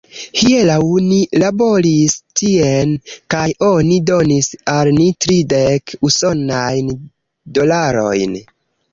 Hieraŭ ni laboris tien kaj oni donis al ni tridek usonajn dolarojn.